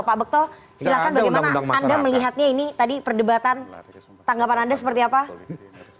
pak bekto silahkan bagaimana anda melihatnya ini tadi perdebatan tanggapan anda seperti apa